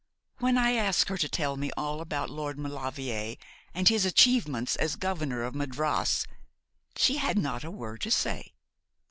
When I asked her to tell me all about Lord Maulevrier and his achievements as Governor of Madras, she had not a word to say.